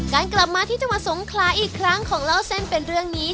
กลับมาที่จังหวัดสงขลาอีกครั้งของเล่าเส้นเป็นเรื่องนี้